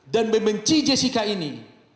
dan membenci jessica ini